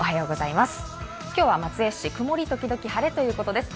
今日は松江市、曇り時々晴れということです。